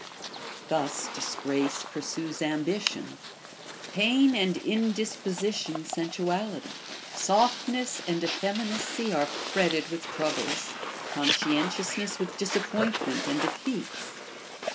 Thus disgrace pursues ambition ; pain and indisposition, sensuality ; softness and effeminacy are fretted with troubles ; contentiousness with disappointment and defeats.